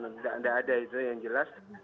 tidak ada itu yang jelas